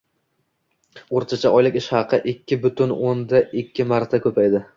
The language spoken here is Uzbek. O‘rtacha oylik ish haqi ikki butun o'nda ikki marta ko‘paydi.